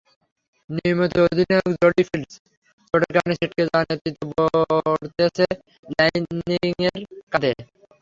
নিয়মিত অধিনায়ক Jodi Fields চোটের কারণে ছিটকে যাওয়ায় নেতৃত্ব বর্তেছে ল্যানিংয়ের কাঁধে।